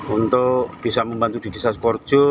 untuk bisa membantu di desa sportjo